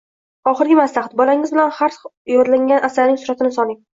Oxirgi maslahat: bolangiz bilan har bir yodlangan asarning suratini soling.